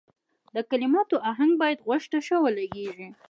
د کلماتو اهنګ باید غوږ ته ښه ولګیږي.